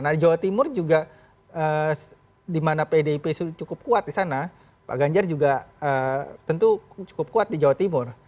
nah di jawa timur juga di mana pdip cukup kuat di sana pak ganjar juga tentu cukup kuat di jawa timur